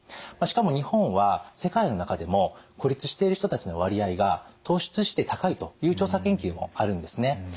しかも日本は世界の中でも孤立している人たちの割合が突出して高いという調査研究もあるんですね。